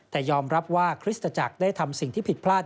แต่ยอมรับว่าคริสตจักรได้ทำสิ่งที่ผิดพลาด